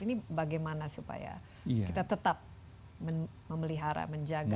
ini bagaimana supaya kita tetap memelihara menjaga